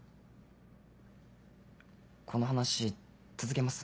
この話続けます？